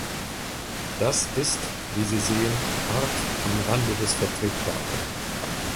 Das ist, wie Sie sehen, hart am Rande des Vertretbaren.